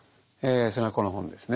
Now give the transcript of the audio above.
それがこの本ですね。